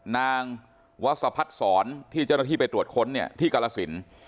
นางวัศพัทธ์สอนที่เจ้าหน้าที่ไปตรวจค้นที่กรสินทร์